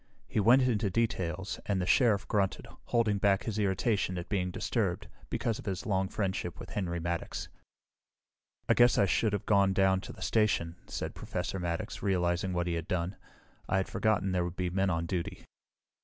He went into details, and the Sheriff grunted, holding back his irritation at being disturbed, because of his long friendship with Henry Maddox. "I guess I should have gone down to the station," said Professor Maddox, realizing what he had done. "I had forgotten there would be men on duty."